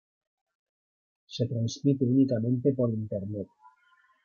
Se transmite únicamente por internet.